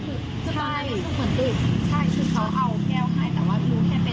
คือแก้วเดียวค่ะนี่ที่เรารู้สึกว่าเรากลับไป